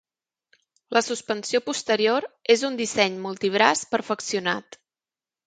La suspensió posterior és un disseny multibraç perfeccionat.